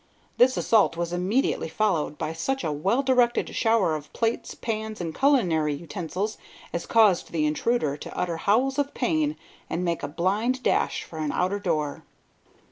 This assault was immediately followed by such a well directed shower of plates, pans, and culinary utensils as caused the intruder to utter howls of pain and make a blind dash for an outer door.